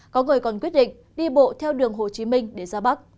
có người còn quyết định đi bộ theo đường hồ chí minh để ra bắc